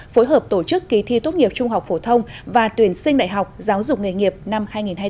phối hợp tổ chức kỳ thi tốt nghiệp trung học phổ thông và tuyển sinh đại học giáo dục nghề nghiệp năm hai nghìn hai mươi bốn